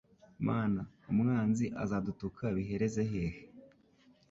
Mana umwanzi azadutuka bihereze hehe?